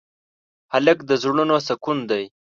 هلک د زړونو سکون دی.